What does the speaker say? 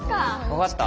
わかった？